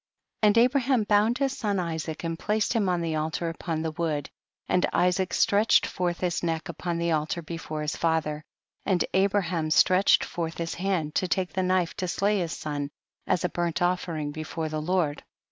65. And Abraham bound liis son Isaac, and placed him on the altar upon the wood, and Isaac stretched forth his neck upon the altar before his father, and Abraham stretched forth his hand to take the knife to slay his son as a burnt offering be fore the Lord.